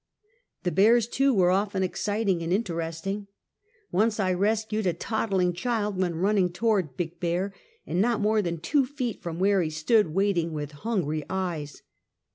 The bears, too, were often exciting and interesting. Once I rescued a toddling child when running towards " big bear," and not more than two feet from where he stood waiting with hungry eyes.